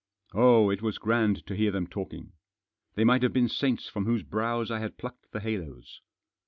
Oh, it was grand to hear them talking! They might have been saints from whose brows I had plucked the halos.